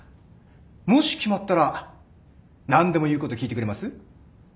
もし決まったら何でも言うこと聞いてくれます？